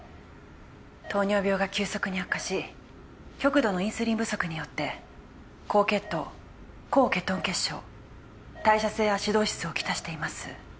糖尿病が急速に悪化し極度のインスリン不足によって高血糖高ケトン血症代謝性アシドーシスをきたしています